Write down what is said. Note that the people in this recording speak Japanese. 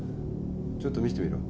ちょっと見せてみろ。